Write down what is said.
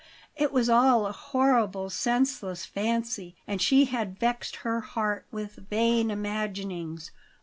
It was all a horrible, senseless fancy; and she had vexed her heart with vain imaginings.